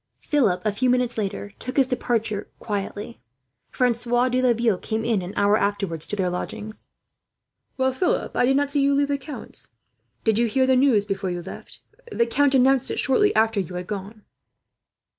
Philip, a few minutes later, took his departure quietly. Francois de Laville came in, an hour afterwards, to their lodgings. "Well, Philip, I did not see you leave the count's. Did you hear the news before you left? The count announced it shortly after you had gone."